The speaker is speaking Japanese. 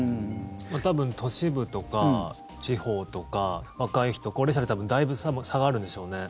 多分、都市部とか地方とか若い人、高齢者でだいぶ差があるんでしょうね。